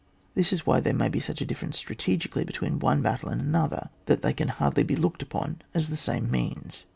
This is why there may be such a difference strategically between one battle and another, that they can hardly be looked upon as the same means.